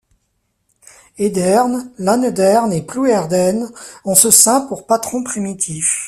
Edern, Lannedern et Plouédern ont ce saint pour patron primitif.